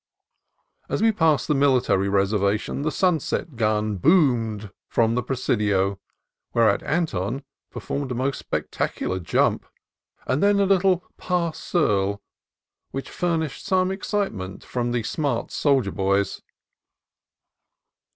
As we passed the Military Reservation the sunset gun boomed from the Pre sidio, whereat Anton performed first a spectacular jump and then a little pas seul which furnished some excitement for the smart soldier boys.